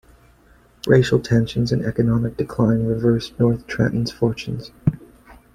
Racial tensions and economic decline reversed North Trenton's fortunes.